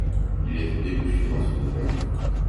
Il y a du débouché dans ce domaine.